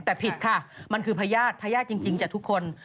แต่ผิดค่ะมันคือพญาติพญาติจริงจากทุกคน